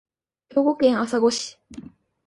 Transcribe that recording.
兵庫県朝来市